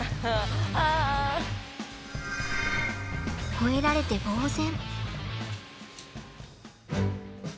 ほえられてぼう然。